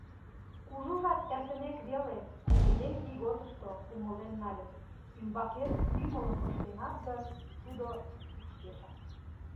Кужу жап эртымек веле, кугыеҥ ийготышто, умылен нальым: ӱмбакет ӱмылым пыштенат гын, тудо кушкешак.